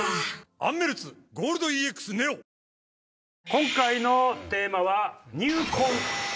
今回のテーマは。